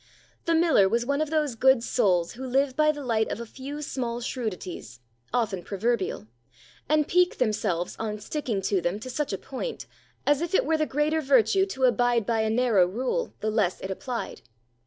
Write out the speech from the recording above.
The miller was one of those good souls who live by the light of a few small shrewdities (often proverbial), and pique themselves on sticking to them to such a point, as if it were the greater virtue to abide by a narrow rule the less it applied.